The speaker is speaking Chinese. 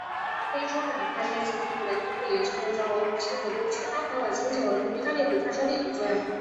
非洲板块在其内部的东部沿着构造和火山活动区阿法尔三角和东非大裂谷发生裂谷作用。